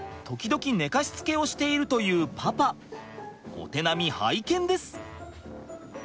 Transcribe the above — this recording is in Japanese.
お手並み拝見です！